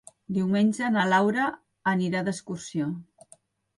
Diumenge na Laura anirà d'excursió.